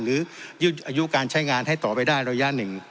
หรือยืดอายุการใช้งานให้ต่อไปได้ระยะ๑